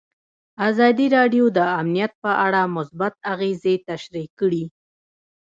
ازادي راډیو د امنیت په اړه مثبت اغېزې تشریح کړي.